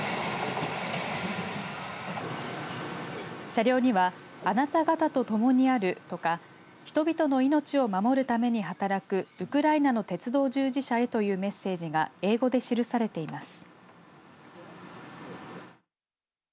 車両にはあなた方とともにあるとか人々の命を守るために働くウクライナの鉄道従事者へというメッセージが英語で記されています。